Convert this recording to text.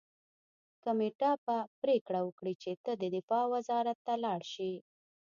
کمېټه به پریکړه وکړي چې ته دفاع وزارت ته لاړ شې